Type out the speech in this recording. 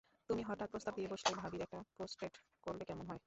তুমিই হঠাৎ প্রস্তাব দিয়ে বসলে, ভাবির একটা পোর্ট্রেট করলে কেমন হয়।